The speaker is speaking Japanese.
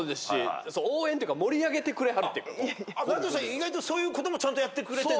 意外とそういうこともちゃんとやってくれてんだ。